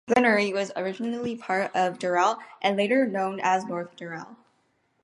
Glenorie was originally part of Dural and later known as North Dural.